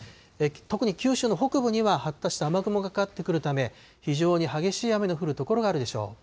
特に九州の北部には、発達した雨雲がかかってくるため、非常に激しい雨の降る所があるでしょう。